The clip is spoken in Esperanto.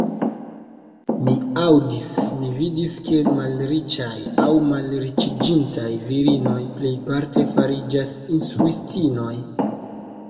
Mi aŭdis, mi vidis, ke malriĉaj aŭ malriĉiĝintaj virinoj plejparte fariĝas instruistinoj.